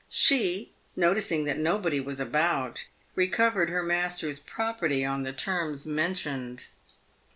She, noticing that nobody was about, recovered her master's property on the terms mentioned.